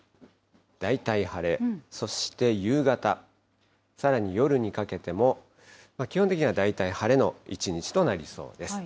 大体晴れ、そして夕方、さらに夜にかけても、基本的には大体晴れの一日となりそうです。